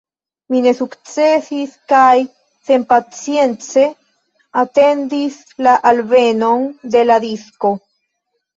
Mi ne sukcesis, kaj senpacience atendis la alvenon de la disko.